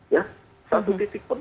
ya satu titik pun